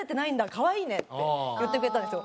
可愛いね」って言ってくれたんですよ。